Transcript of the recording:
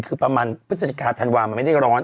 คือประมาณพฤศจิกาธันวามันไม่ได้ร้อน